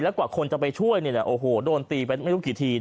กว่าคนจะไปช่วยโดนตีไปไม่รู้กี่ที